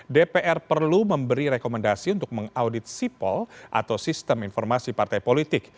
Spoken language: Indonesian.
dpr perlu memberi rekomendasi untuk mengaudit sipol atau sistem informasi partai politik